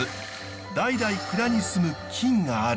代々蔵に住む菌がある。